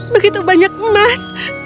begitu banyak emas